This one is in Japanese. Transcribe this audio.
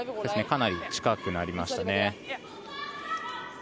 かなり近くなりましたね。